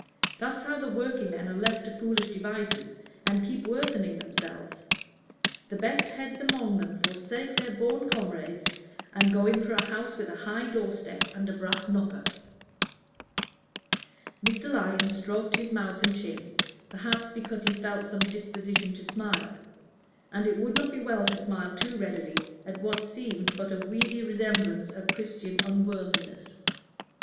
That's how the workingmen are left to foolish devices and keep worsening themselves: the best heads among them forsake their boon comrades, and go in for a house with a high door step and a brass knocker." Mr. Lyon stroked his mouth and chin, perhaps because he felt some disposition to smile; and it would not be well to smile too readily at what seemed but a weedy resemblance of Christian unworldliness.